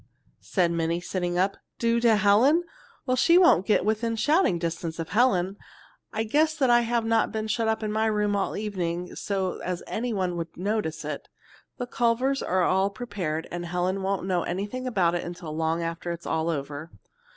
said Minnie, sitting up. "Do to Helen? Well, she won't get within shouting distance of Helen. I guess I have not been shut up in my room all evening so as anyone would notice it. The Culvers are all prepared, and Helen won't know anything about it until long after it is all over."